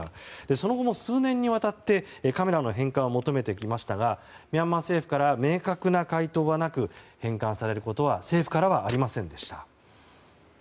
その後も数年にわたってカメラの返還を求めてきましたがミャンマー政府から明確な回答はなく返還されることは政府からはありませんでした。